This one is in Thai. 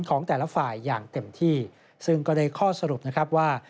ของแต่ละฝ่ายอย่างเต็มที่ซึ่งก็ได้ข้อสรุปนะครับว่า